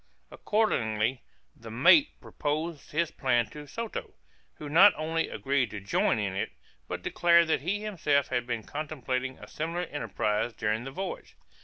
Accordingly the mate proposed his plan to Soto, who not only agreed to join in it, but declared that he himself had been contemplating a similar enterprise during the voyage.